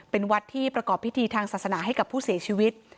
เป็นวัดที่ประกอบพิธีทางศาสนาให้กับผู้เสียชีวิต